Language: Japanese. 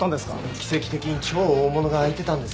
奇跡的に超大物が空いてたんです。